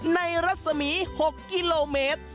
รัศมี๖กิโลเมตร